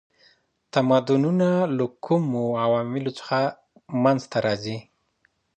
تمدنونه له کومو عواملو څخه منځ ته راځي؟